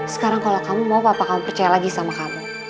sekarang kalau kamu mau papa kamu percaya lagi sama kamu